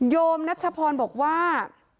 โยมนัชพรบอกว่า